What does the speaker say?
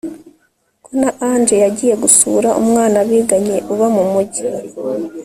ko na Angel yagiye gusura umwana biganye uba mu mujyi